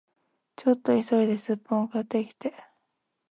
ちょっと急いでスッポン買ってきて